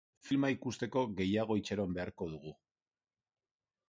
Filma ikusteko, gehiago itxaron beharko dugu.